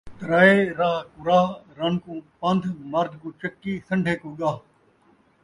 ترائے راہ کُراہ، رن کوں پندھ، مرد کوں چکی، سنڈھے کوں ڳاہ